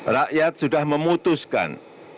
rakyat sudah memutuskan